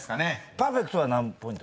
パーフェクトは何ポイント？